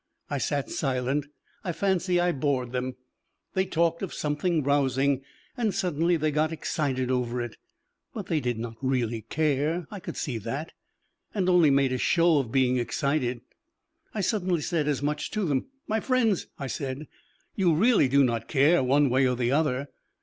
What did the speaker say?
I sat silent I fancy I bored them. They talked of something rousing and suddenly they got excited over it. But they did not really care, I could see that, and only made a show of being excited. I suddenly said as much to them. "My friends," I said, "you really do not care one way or the other."